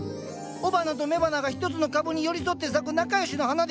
雄花と雌花が１つの株に寄り添って咲く仲良しの花です。